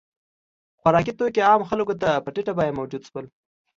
• خوراکي توکي عامو خلکو ته په ټیټه بیه موجود شول.